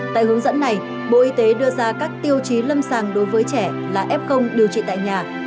tại hướng dẫn này bộ y tế đưa ra các tiêu chí lâm sàng đối với trẻ là f điều trị tại nhà